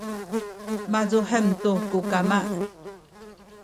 mazuhem tu ku kama